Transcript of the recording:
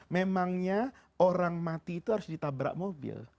memangnya orang mati itu harus ditabrak mobil